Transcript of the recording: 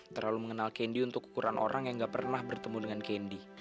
terlalu mengenal candy untuk ukuran orang yang nggak pernah bertemu dengan candy